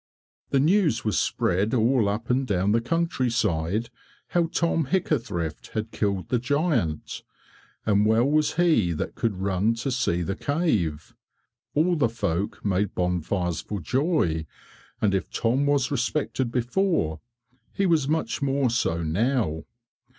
The news was spread all up and down the country side how Tom Hickathrift had killed the giant. And well was he that could run to see the cave; all the folk made bonfires for joy, and if Tom was respected before, he was much more so now.